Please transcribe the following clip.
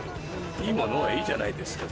いいものはいいじゃないですか。